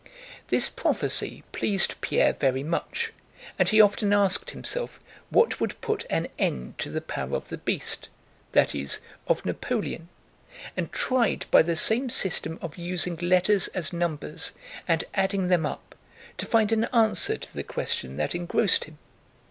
This prophecy pleased Pierre very much and he often asked himself what would put an end to the power of the beast, that is, of Napoleon, and tried by the same system of using letters as numbers and adding them up, to find an answer to the question that engrossed him.